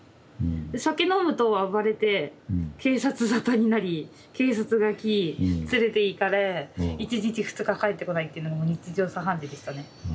で酒飲むと暴れて警察沙汰になり警察が来連れていかれ１日２日帰ってこないっていうのがもう日常茶飯事でしたね。